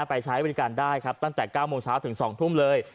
ใช้บริการได้ครับตั้งแต่๙โมงเช้าถึง๒ทุ่มเลย